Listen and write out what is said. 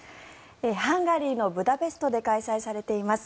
ハンガリーのブダペストで開催されています